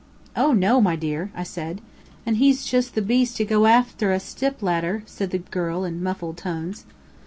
"Oh no! my dear," I said. "An' he's just the beast to go afther a stip ladder," said the girl, in muffled tones.